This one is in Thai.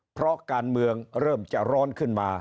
เพราะการเมืองเริ่มจะร้อนขึ้นมา